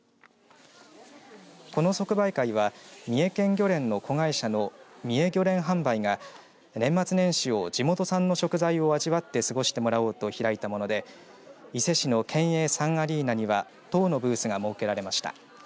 この即売会は三重県漁連の子会社のみえぎょれん販売が年末年始を地元産の食材を味わって過ごしてもらおうと開いたもので伊勢市の県営サンアリーナには１０のブースが設けられました。